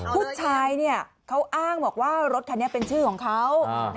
ผู้ชายเขาอ้างบอกว่ารถคันนี้เป็นชื่อของเขา